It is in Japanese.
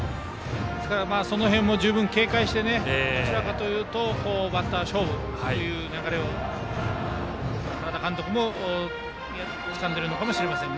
その辺も十分警戒してどちらかというとバッター勝負という流れを原田監督もつかんでいるのかもしれません。